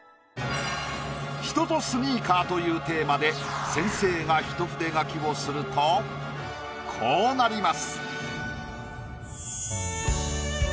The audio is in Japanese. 「人とスニーカー」というテーマで先生が一筆書きをするとこうなります。